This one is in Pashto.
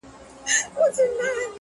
بُت خانه به مي د زړه لکه حرم کا,